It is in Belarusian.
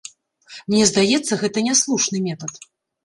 Мне здаецца, гэта няслушны метад.